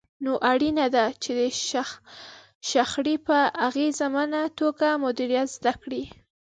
نو اړينه ده چې د شخړې په اغېزمنه توګه مديريت زده کړئ.